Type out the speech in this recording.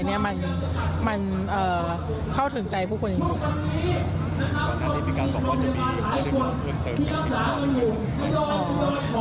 เนี่ยมันเข้าถึงใจผู้คนจริง